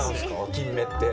キンメって。